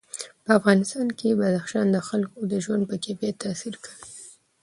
په افغانستان کې بدخشان د خلکو د ژوند په کیفیت تاثیر کوي.